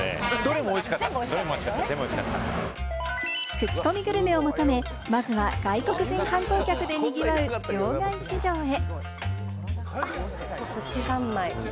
口コミグルメを求め、まずは外国人観光客で賑わう場外市場へ。